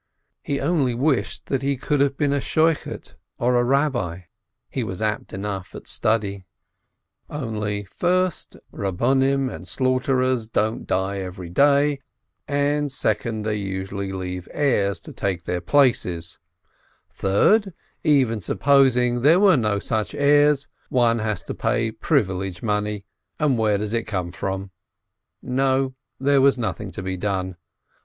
He only wished he could have been a slaughterer or a Rav (he was apt enough at study), 234 LERNER only, first, Eabbonim and slaughterers don't die every day, and, second, they usually leave heirs to take their places; third, even supposing there were no such heirs, one has to pay "privilege money," and where is it to come from? No, there was nothing to be done.